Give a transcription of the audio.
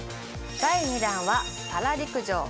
第２弾はパラ陸上。